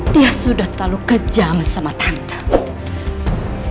dia sudah terlalu kejam sama tante